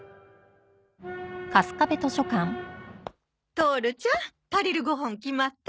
トオルちゃん借りるご本決まった？